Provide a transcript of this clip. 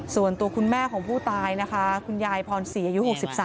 ส่วนตัวคุณแม่ของผู้ตายนะคะคุณยายพรศรีอายุ๖๓